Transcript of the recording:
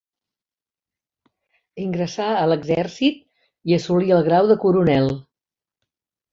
Ingressà a l'exèrcit i assolí el grau de coronel.